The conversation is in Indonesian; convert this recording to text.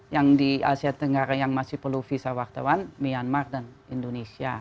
yang di asia tenggara yang masih perlu visa wartawan myanmar dan indonesia